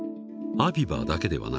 アビバだけではない。